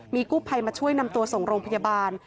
มีกู้ภัยมาช่วยนำตัวส่งโรงพยาบาล